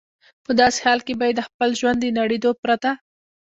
په داسې حال کې به یې د خپل ژوند د نړېدو پرته.